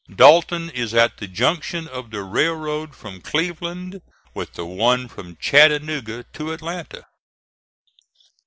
Dalton is at the junction of the railroad from Cleveland with the one from Chattanooga to Atlanta.